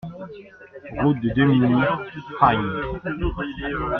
Route de Demigny, Fragnes